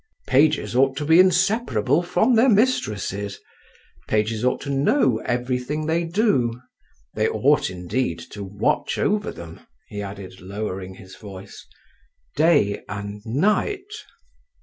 "Pages ought to be inseparable from their mistresses; pages ought to know everything they do, they ought, indeed, to watch over them," he added, lowering his voice, "day and night."